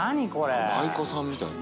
舞妓さんみたい。